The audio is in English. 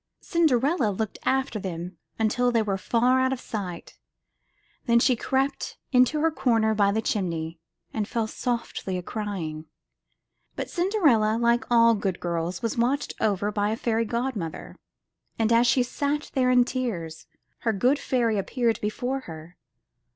Cinderella looked after them until they were far out of sight; then she crept into her corner by the chimney and fell softly a crying. But Cinderella, like all good girls, was watched over by a fairy godmother, and as she sat there in tears, her good fairy appeared before her.